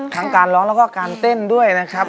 การร้องแล้วก็การเต้นด้วยนะครับ